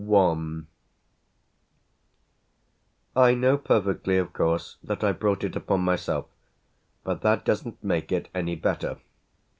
I I know perfectly of course that I brought it upon myself; but that doesn't make it any better.